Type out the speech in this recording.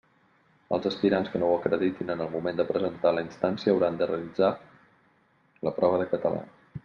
Els aspirants que no ho acreditin en el moment de presentar la instància hauran de realitzar la prova de català.